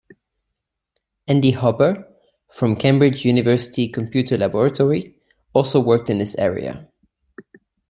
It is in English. Andy Hopper from Cambridge University Computer Laboratory also worked in this area.